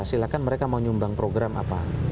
silahkan mereka mau nyumbang program apa